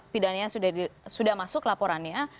pidananya sudah masuk laporannya